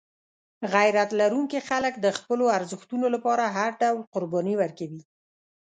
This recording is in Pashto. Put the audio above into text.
غیرت لرونکي خلک د خپلو ارزښتونو لپاره هر ډول قرباني ورکوي.